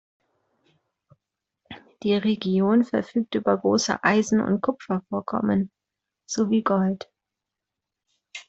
Die Region verfügt über große Eisen- und Kupfervorkommen, sowie Gold.